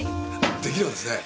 出来ればですね